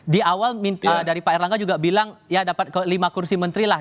di awal dari pak erlangga juga bilang ya dapat lima kursi menteri lah